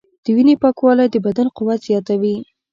د وینې پاکوالی د بدن قوت زیاتوي.